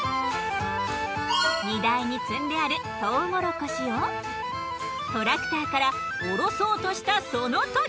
荷台に積んであるトウモロコシをトラクターから降ろそうとしたそのとき。